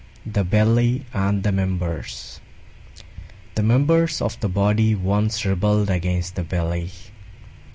THE BELLY AND THE MEMBERS The Members of the Body once rebelled against the Belly.